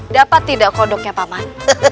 dapat tidak kodoknya paman